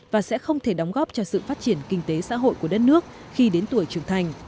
và sẽ không thể đóng góp cho sự phát triển kinh tế xã hội của đất nước khi đến tuổi trưởng thành